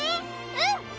うん！